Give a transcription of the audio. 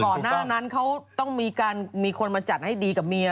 ก่อนหน้านั้นเขาต้องมีการมีคนมาจัดให้ดีกับเมีย